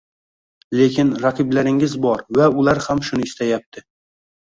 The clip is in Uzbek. lekin raqiblaringiz bor va ular ham shuni istayapti